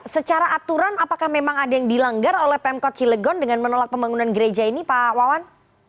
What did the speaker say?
secara aturan apakah memang ada yang dilanggar oleh pemkot cilegon dengan menolak pembangunan gereja ini pak wawan